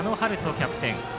キャプテン。